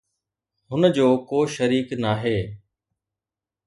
هن جو ڪو شريڪ ناهي